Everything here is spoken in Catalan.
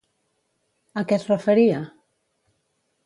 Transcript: A què es referia?